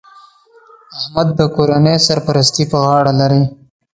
احمد د کورنۍ سرپرستي په غاړه لري